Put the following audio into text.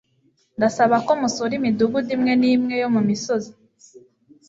Ndasaba ko musura imidugudu imwe nimwe yo mumisozi